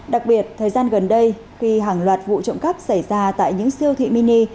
đặc biệt thời gian gần đây khi hàng loạt vụ trộm cắp xảy ra tại những siêu thị mini